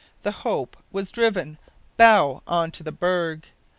The Hope was driven bow on to the berg.